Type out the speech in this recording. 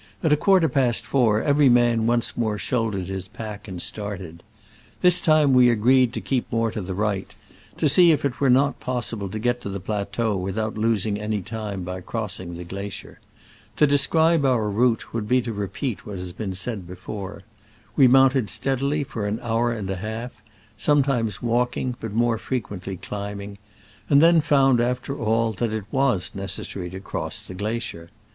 At a quarter past four every man once more shouldered his pack and started. This time we agreed to keep more to the right, to see if it were not possible to get to the plateau without losing any time by crossing the glacier. To describe our route would be to repeat what has been said before. We mounted steadily for an hour and a half, sometimes walking, but more frequently climbing, and then found, after all, that it was necessary to cross the glacier.